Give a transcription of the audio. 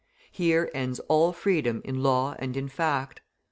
Here ends all freedom in law and in fact.